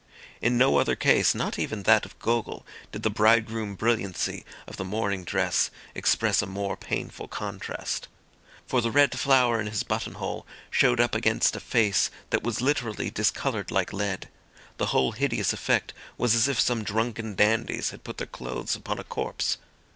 In no other case, not even that of Gogol, did the bridegroom brilliancy of the morning dress express a more painful contrast. For the red flower in his button hole showed up against a face that was literally discoloured like lead; the whole hideous effect was as if some drunken dandies had put their clothes upon a corpse.